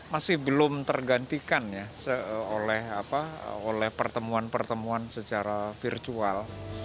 masih belum tergantikan oleh pertemuan pertemuan secara virtual